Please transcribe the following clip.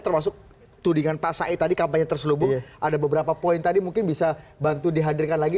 termasuk tudingan pak said tadi kampanye terselubung ada beberapa poin tadi mungkin bisa bantu dihadirkan lagi